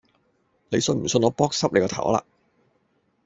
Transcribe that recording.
你信唔信我扑濕你個頭呀嗱